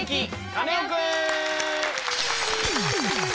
カネオくん」！